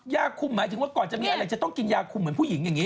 ยาคุมหมายถึงว่าก่อนจะมีอะไรจะต้องกินยาคุมเหมือนผู้หญิงอย่างนี้